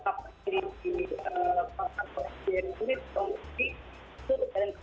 tapi saya mengatakan bahwa pasal ini memang tidak sepat dengan jering